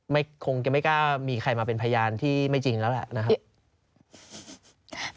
คงจะไม่กล้ามีใครมาเป็นพยานที่ไม่จริงแล้วแหละนะครับ